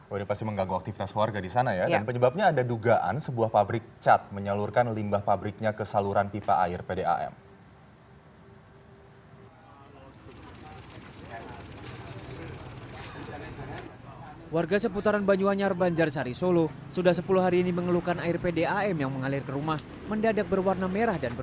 sudah pasti mengganggu aktivitas warga di sana ya dan penyebabnya ada dugaan sebuah pabrik cat menyalurkan limbah pabriknya ke saluran pipa air pdam